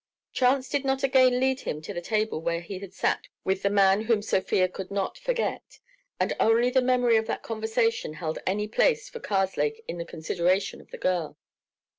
Chance did not again lead him to the table where he had sat with the man whom Sofia could not forget, and only the memory of that conversation held any place for Karslake in the consideration of the girl.